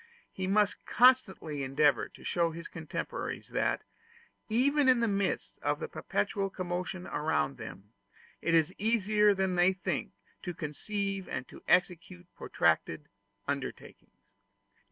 He must constantly endeavor to show his contemporaries, that, even in the midst of the perpetual commotion around them, it is easier than they think to conceive and to execute protracted undertakings.